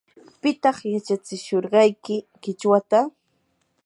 ¿pitaq yachatsishurqayki qichwata?